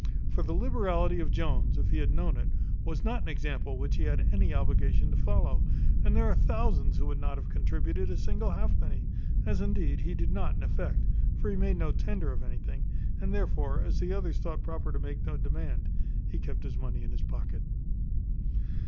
For the liberality of Jones, if he had known it, was not an example which he had any obligation to follow; and there are thousands who would not have contributed a single halfpenny, as indeed he did not in effect, for he made no tender of anything; and therefore, as the others thought proper to make no demand, he kept his money in his pocket.